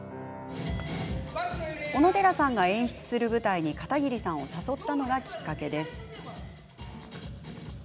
小野寺さんが演出する舞台に片桐さんを誘ったのがきっかけです。